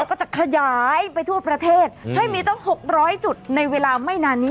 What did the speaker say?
ก็จะขยายไปทั่วประเทศให้มีตั้ง๖๐๐จุดในเวลาไม่นานนี้